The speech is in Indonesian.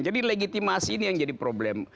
jadi legitimasi ini yang jadi problem